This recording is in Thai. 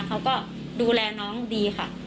เขาก็ดูแลน้องดีค่ะ